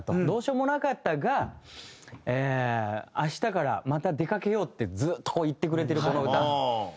どうしようもなかったが明日からまた出かけようってずっと言ってくれてるこの歌。